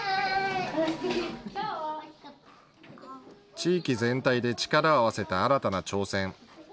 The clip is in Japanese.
地域全体で力を合わせた新たな挑戦。